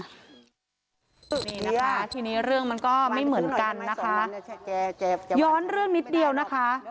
นี่นะคะทีนี้เรื่องมันก็ไม่เหมือนกันนะคะย้อนเรื่องนิดเดียวนะคะ